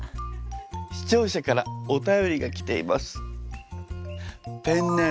視聴者からお便りが来ています。